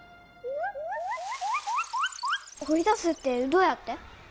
追い出すってどうやって？